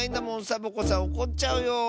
サボ子さんおこっちゃうよ。